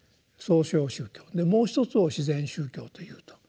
もう一つを「自然宗教」というと。